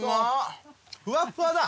ふわっふわだ。